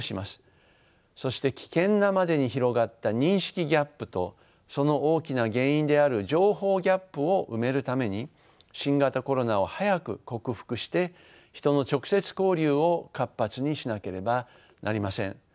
そして危険なまでに広がった認識ギャップとその大きな原因である情報ギャップを埋めるために新型コロナを早く克服して人の直接交流を活発にしなければなりません。